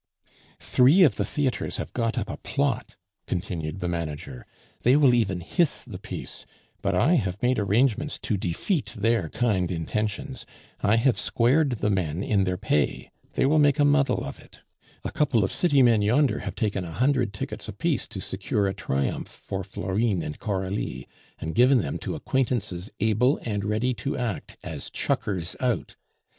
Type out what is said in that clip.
"Three of the theatres have got up a plot," continued the manager; "they will even hiss the piece, but I have made arrangements to defeat their kind intentions. I have squared the men in their pay; they will make a muddle of it. A couple of city men yonder have taken a hundred tickets apiece to secure a triumph for Florine and Coralie, and given them to acquaintances able and ready to act as chuckers out.